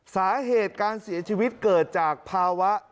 สาเหตุการเสียชีวิตเกิดจากภาวะ